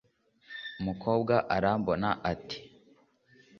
umukobwa arambona, ati: